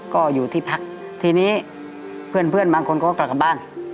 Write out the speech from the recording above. ก็อยู่ที่พักทีนี้เพื่อนบางคนก็กลับกลับบ้าน